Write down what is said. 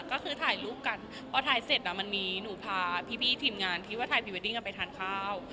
ก็คือถ่ายรูปกันพอถ่ายเสร็จมันมีหนูพาพี่ทีมงานที่ว่าถ่ายพรีเวดดิ้งกันไปทานข้าว